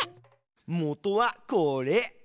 もとはこれ。